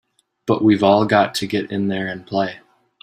But we've all got to get in there and play!